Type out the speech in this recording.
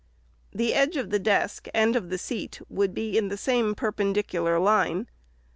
The edge of the desk and of the seat should be in the same perpendicular line.